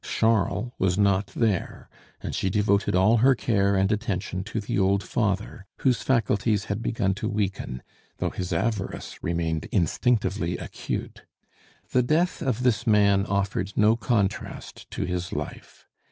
Charles was not there, and she devoted all her care and attention to the old father, whose faculties had begun to weaken, though his avarice remained instinctively acute. The death of this man offered no contrast to his life.